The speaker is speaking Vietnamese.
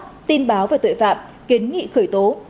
tố giác tin báo về tội phạm kiến nghị khởi tố